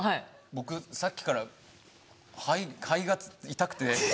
僕さっきから肺が痛くて。